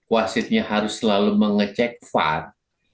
wasitnya harus selalu mengecek fund